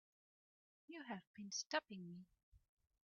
You have been stopping me.